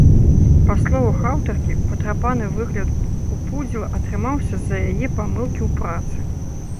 Па словах аўтаркі, патрапаны выгляд у пудзіла атрымаўся з-за яе памылкі ў працы.